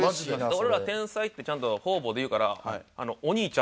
俺ら「天才」ってちゃんと方々で言うから。